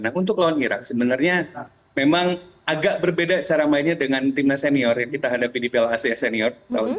nah untuk lawan irak sebenarnya memang agak berbeda cara mainnya dengan tim senior yang kita hadapi di piala asia senior